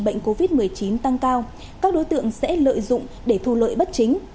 đặc biệt là hỗ trợ phòng ngừa chữa trị bệnh covid một mươi chín tăng cao các đối tượng sẽ lợi dụng để thu lợi bất chính